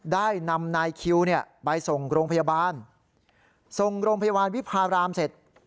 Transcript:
ได้นำนายคิวเนี่ยไปส่งโรงพยาบาลส่งโรงพยาบาลวิพารามเสร็จ